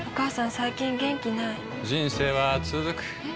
最近元気ない人生はつづくえ？